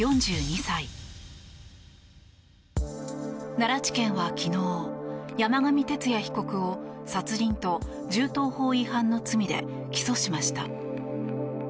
奈良地検は昨日山上徹也被告を殺人と銃刀法違反の罪で起訴しました。